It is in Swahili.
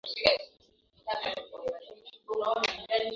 kwamba misitu inatengea kiasi kikubwa sana kuvyonza hii